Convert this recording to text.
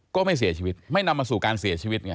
ก็ไม่เสียชีวิตไม่นำมาสู่การเสียชีวิตไง